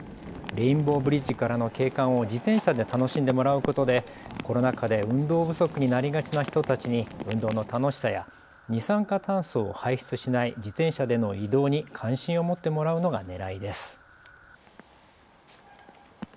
レインボーブリッジからの景観を自転車で楽しんでもらうことでコロナ禍で運動不足になりがちな人たちに運動の楽しさや二酸化炭素を排出しない自転車での移動に関心を持ってもらうのがねらいです。